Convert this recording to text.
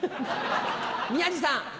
宮治さん。